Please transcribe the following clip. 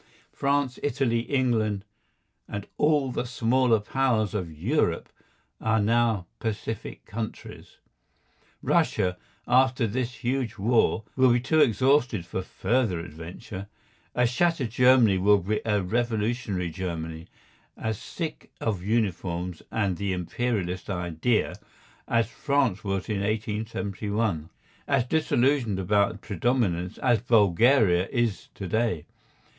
France, Italy, England, and all the smaller Powers of Europe are now pacific countries; Russia, after this huge war, will be too exhausted for further adventure; a shattered Germany will be a revolutionary Germany, as sick of uniforms and the Imperialist idea as France was in 1871, as disillusioned about predominance as Bulgaria is to day.